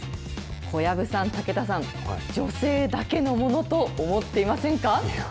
小籔さん、武田さん、女性だけのものと思っていませんか？